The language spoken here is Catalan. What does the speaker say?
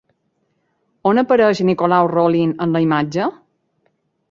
On apareix Nicolau Rolin en la imatge?